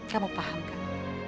kamu paham kan